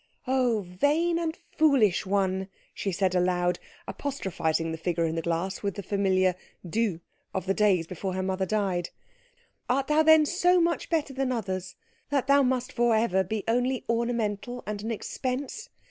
"Oh, vain and foolish one!" she said aloud, apostrophising the figure in the glass with the familiar Du of the days before her mother died, "Art thou then so much better than others, that thou must for ever be only ornamental and an expense?